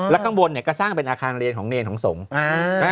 แล้วกลางบนก็สร้างเป็นอาคารเรนของเรนของสงฆ์